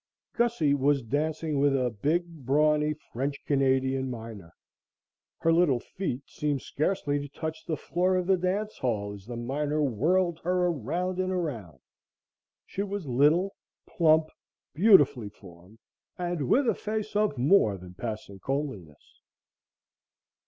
Gussie was dancing with a big, brawny, French Canadian miner. Her little feet seemed scarcely to touch the floor of the dance hall as the miner whirled her around and around. She was little, plump, beautifully formed and with a face of more than passing comeliness.